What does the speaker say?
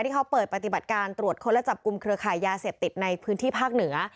ที่เขาเปิดปฏิบัติการตรวจค้นและจับกลุ่มเครือขายยาเสพติดในพื้นที่ภาคเหนือ